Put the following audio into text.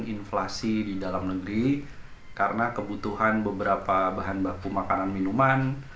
inflasi di dalam negeri karena kebutuhan beberapa bahan baku makanan minuman